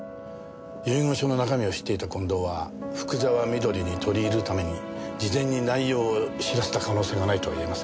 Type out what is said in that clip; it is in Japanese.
遺言書の中身を知っていた近藤は福沢美登里に取り入るために事前に内容を知らせた可能性がないとは言えません。